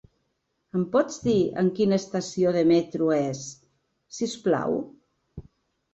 Ens pots dir en quina estació de metro és, si us plau?